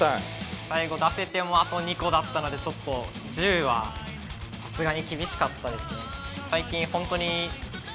最後出せてもあと２個だったのでちょっと１０はさすがに厳しかったですね。